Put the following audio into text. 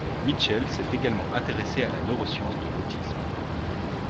Mitchell s'est également intéressé à la neuroscience de l'autisme.